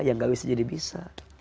yang gak bisa jadi bisa